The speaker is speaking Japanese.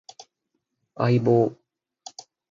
相棒